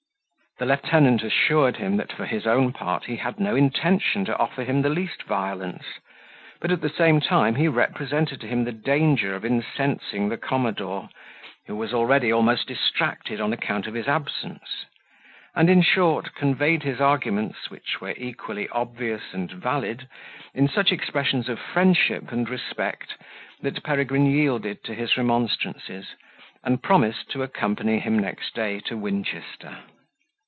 The lieutenant assured him, that for his own part he had no intention to offer him the least violence; but, at the same time, he represented to him the danger of incensing the commodore, who was already almost distracted on account of his absence: and, in short, conveyed his arguments, which were equally obvious and valid, in such expressions of friendship and respect, that Peregrine yielded to his remonstrances, and promised to accompany him next day to Winchester.